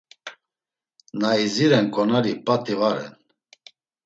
Na idziren ǩonari p̌at̆i va ren.